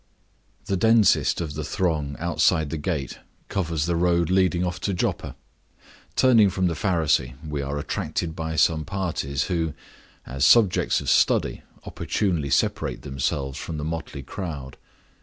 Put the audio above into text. The densest of the throng outside the gate covers the road leading off to Joppa. Turning from the Pharisee, we are attracted by some parties who, as subjects of study, opportunely separate themselves from the motley crowd.